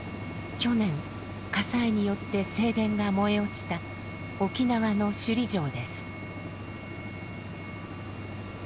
去年火災によって正殿が燃え落ちた沖縄の首里城です。